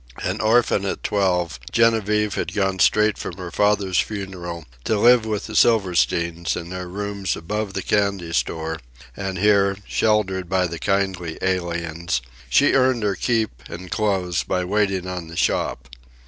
An orphan at twelve, Genevieve had gone straight from her father's funeral to live with the Silversteins in their rooms above the candy store; and here, sheltered by kindly aliens, she earned her keep and clothes by waiting on the shop.